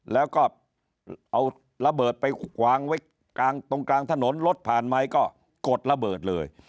แล้วก็เอาระเบิดไปวางไว้กลางตรงกลางถนนรถผ่านไมค์ก็กดระเบิดเลย